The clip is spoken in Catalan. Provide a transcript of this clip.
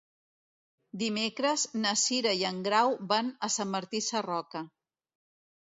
Dimecres na Cira i en Grau van a Sant Martí Sarroca.